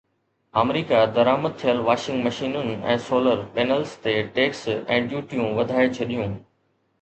آمريڪا درآمد ٿيل واشنگ مشينن ۽ سولر پينلز تي ٽيڪس ۽ ڊيوٽيون وڌائي ڇڏيون